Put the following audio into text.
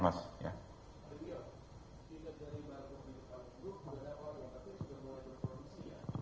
pak jodoh sudah dari pak penjidik kampung jodoh yang tadi sudah melakukan produksi ya